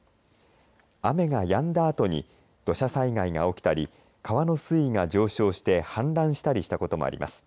雨がやんだあとに土砂災害が起きたり川の水位が上昇して氾濫したりしたこともあります。